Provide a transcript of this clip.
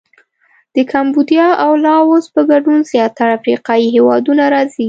د کمبودیا او لاووس په ګډون زیاتره افریقایي هېوادونه راځي.